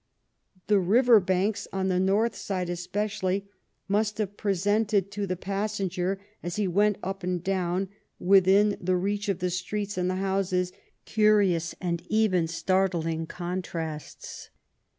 The river banks, on the north side especially, must have presented to the passenger, as he went up and down within the reach of the streets and the houses, curious and even startling contrasts.